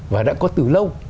và đã có từ lâu